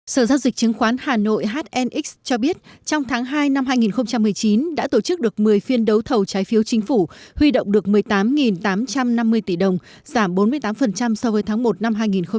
sở giao dịch chứng khoán hà nội hnx cho biết trong tháng hai năm hai nghìn một mươi chín đã tổ chức được một mươi phiên đấu thầu trái phiếu chính phủ huy động được một mươi tám tám trăm năm mươi tỷ đồng giảm bốn mươi tám so với tháng một năm hai nghìn một mươi chín